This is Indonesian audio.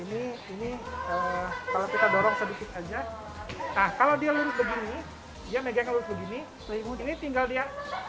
ini ini kalau kita dorong sedikit aja kalau dia lurus begini dia megang lurus begini selimut ini tinggal dia